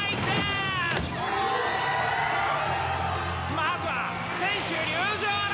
まずは選手入場だ！